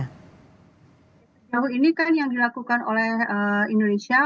sejauh ini kan yang dilakukan oleh indonesia